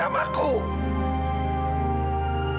sudahlah rah sudah